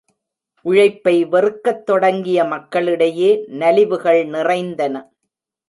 உழைப்பை வெறுக்கத் தொடங்கிய மக்களிடையே நலிவுகள் நிறைந்தன.